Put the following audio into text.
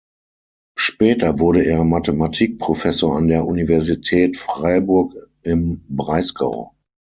Später wurde er Mathematikprofessor an der Universität Freiburg im Breisgau.